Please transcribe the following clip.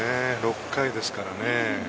６回ですからね。